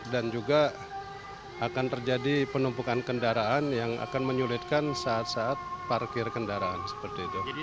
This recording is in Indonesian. dan juga akan terjadi penumpukan kendaraan yang akan menyulitkan saat saat parkir kendaraan seperti itu